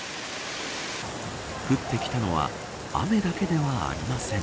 降ってきたのは雨だけではありません。